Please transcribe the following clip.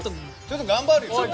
ちょっと頑張るよね。